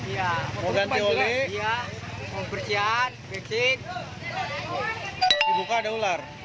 ya mau ganti oleh ya mau bersihan bikin dibuka ada ular ular